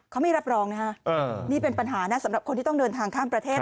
เขาไม่รับรองนะฮะนี่เป็นปัญหานะสำหรับคนที่ต้องเดินทางข้ามประเทศ